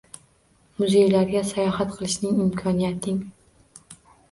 Muzeylarga sayohat qilishning imkoniyating